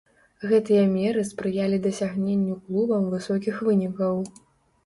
Гэтыя меры спрыялі дасягненню клубам высокіх вынікаў.